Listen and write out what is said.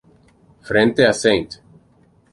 Frente a St.